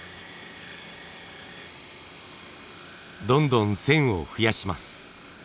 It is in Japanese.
どんどん線を増やします。